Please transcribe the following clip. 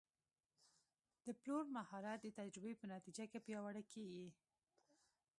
د پلور مهارت د تجربې په نتیجه کې پیاوړی کېږي.